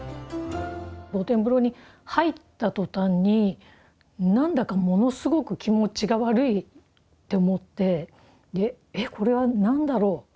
露天風呂に入ったとたんに何だかものすごく気持ちが悪いって思って「えっこれは何だろう。